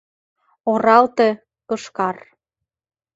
Оралте — кышкар.